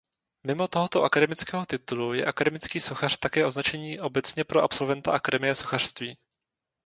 Mimo tohoto akademického titulu je akademický sochař také označení obecně pro absolventa akademie sochařství.